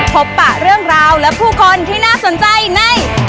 ปะเรื่องราวและผู้คนที่น่าสนใจใน